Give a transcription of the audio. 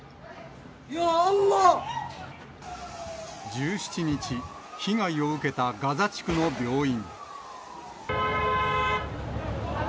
１７日、被害を受けたガザ地区の病院。